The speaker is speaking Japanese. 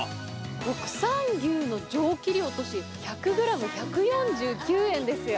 国産牛の上切り落とし、１００グラム１４９円ですよ。